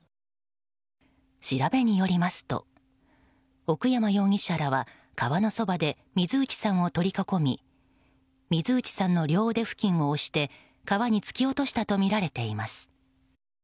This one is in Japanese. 調べによりますと奥山容疑者らは川のそばで水内さんを取り囲み水内さんの両腕付近を押して川に突き落としたとみられています。